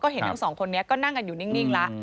เห็นทั้งสองคนนี้ก็นั่งกันอยู่นิ่งแล้ว